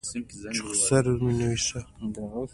چې خسر مې نه وي ښه.